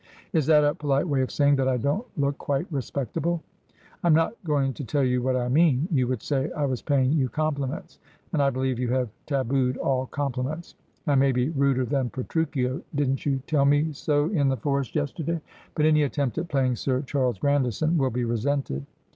' Is that a polite way of saying that I don't look quite respect able ?'' I am not going to tell you what I mean You would say I was paying you compliments, and I believe you have tabooed all compliments. I may be ruder than Petruchio — didn't you tell me so in the forest yesterday ?— but any attempt at playing Sir Charles Grandison will be resented.'